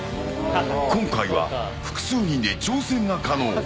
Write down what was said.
今回は複数人で挑戦が可能。